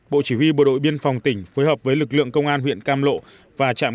bộ chỉ huy bộ đội biên phòng tỉnh phối hợp với lực lượng công an huyện cam lộ và trạm